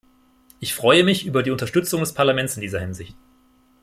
Ich freue mich über die Unterstützung des Parlaments in dieser Hinsicht.